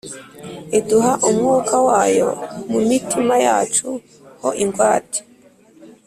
iduha Umwuka wayo mu mitima yacu ho ingwate.